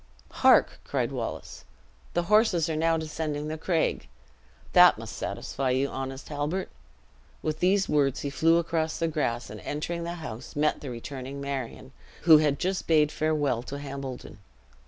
"Hark!" cried Wallace, "the horses are now descending the craig. That must satisfy you, honest Halbert." With these words he flew across the grass, and entering the house, met the returning Marion, who had just bade farewell to Hambledon.